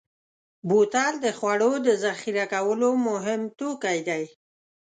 بوتل د خوړو د ذخیره کولو مهم توکی دی.